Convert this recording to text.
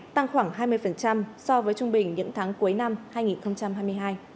tăng khoảng hai mươi so với trung bình những tháng cuối năm hai nghìn hai mươi hai